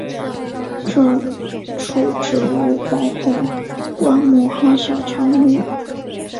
这属植物包括灌木和小乔木。